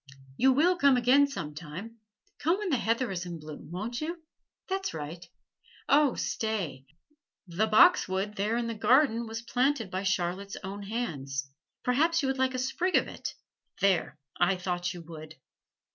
You will come again some time, come when the heather is in bloom, won't you? That's right. Oh, stay! the boxwood there in the garden was planted by Charlotte's own hands perhaps you would like a sprig of it there, I thought you would!